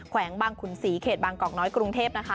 แวงบางขุนศรีเขตบางกอกน้อยกรุงเทพนะคะ